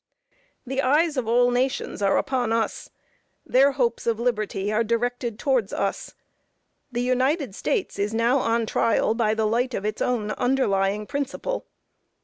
The eyes of all nations are upon us; their hopes of liberty are directed towards us; the United States is now on trial by the light of its own underlying principle.